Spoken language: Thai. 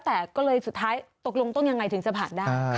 แต่ก็เลยสุดท้ายตกลงต้องยังไงถึงจะผ่านได้